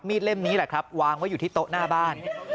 เล่มนี้แหละครับวางไว้อยู่ที่โต๊ะหน้าบ้าน